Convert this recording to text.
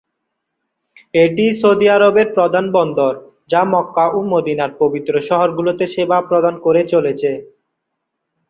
এটি সৌদি আরবের প্রধান বন্দর, যা মক্কা ও মদিনার পবিত্র শহরগুলোতে সেবা প্রদান করে চলেছে।